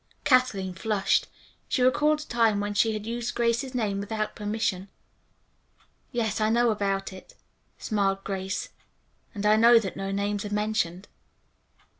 Kathleen flushed. She recalled a time when she had used Grace's name without permission. "Yes, I know about it," smiled Grace, "and I know that no names are mentioned."